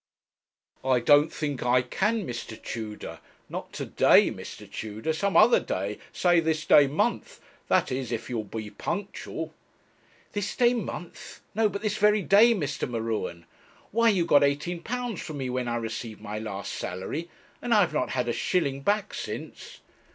'I don't think I can, Mr. Tudor; not to day, Mr. Tudor some other day, say this day month; that is, if you'll be punctual.' 'This day month! no, but this very day, Mr. M'Ruen why, you got £18 from me when I received my last salary, and I have not had a shilling back since.'